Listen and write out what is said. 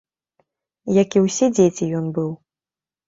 Як і ўсе дзеці ён быў.